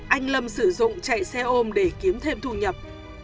anh lâm sử dụng chạy xe ôm để kiếm thêm thu nhập